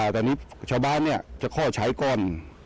ตอนนี้ชาวบ้านจะข้อใช้ก่อน